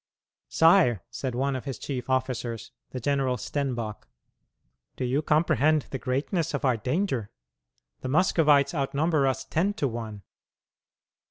"Sire," said one of his chief officers, the General Stenbock, "do you comprehend the greatness of our danger? The Muscovites outnumber us ten to one."